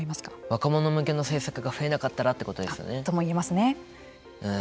若者向けの政策が増えなかったらということですよとも言えますね。